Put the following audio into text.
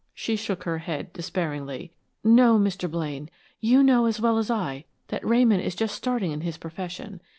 She shook her head despairingly. "No, Mr. Blaine. You know as well as I that Ramon is just starting in his profession.